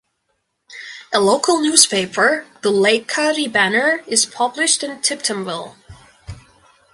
A local newspaper, "The Lake County Banner", is published in Tiptonville.